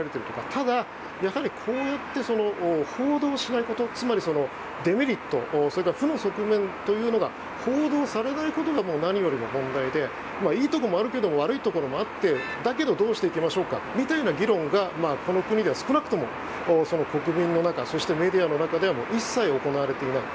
ただ、やはりこうやって報道しないことつまり、デメリットそれから負の側面というのが報道されないことが何よりも問題でいいところもあるけど悪いところもあってだけど、どうしていきましょうかみたいな議論がこの国では少なくとも国民の中そしてメディアの中では一切行われていない。